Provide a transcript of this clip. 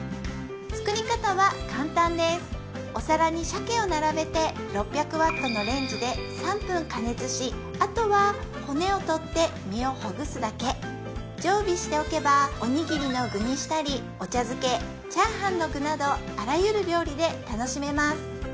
作り方は簡単ですお皿に鮭を並べてあとは骨を取って身をほぐすだけ常備しておけばおにぎりの具にしたりお茶漬けチャーハンの具などあらゆる料理で楽しめます